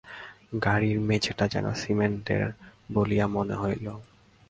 গাড়ির মেজেটা যেন সিমেন্টের বলিয়া মনে হইল।